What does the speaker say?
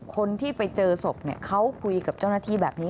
คนที่ไปเจอศพเขาคุยกับเจ้าหน้าที่แบบนี้